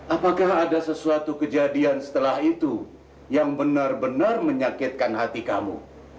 apakah ada sesuatu kejadian setelah itu yang benar benar menyakitkan hati kamu